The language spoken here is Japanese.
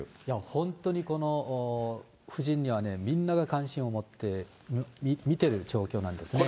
本当にこの夫人には、みんなが関心を持って見てる状況なんですね。